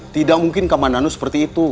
tidak mungkin keamanan seperti itu